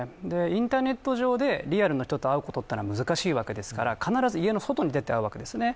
インターネット上でリアルな人と会うということは難しいわけですから、必ず家の外に出て会うわけですね。